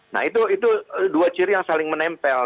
nah itu dua ciri yang saling menempel